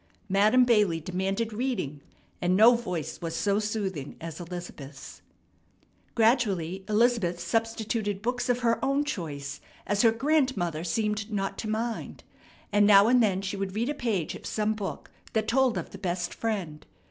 Madam Bailey demanded reading, and no voice was so soothing as Elizabeth's. Gradually Elizabeth substituted books of her own choice as her grandmother seemed not to mind, and now and then she would read a page of some book that told of the best Friend.